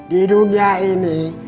di dunia ini